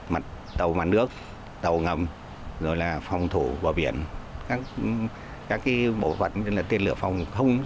mặt tàu màn nước tàu ngầm rồi là phòng thủ bờ biển các bộ phận như là tên lửa phòng không